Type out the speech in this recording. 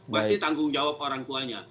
pasti tanggung jawab orang tuanya